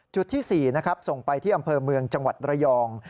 จุดที่๔นะครับส่งไปที่อำเภอเมืองจังหวัดระยอง